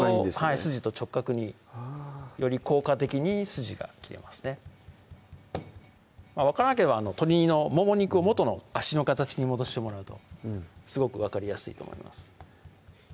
筋と直角により効果的に筋が切れますね分からなければ鶏のもも肉を元の脚の形に戻してもらうとすごく分かりやすいと思います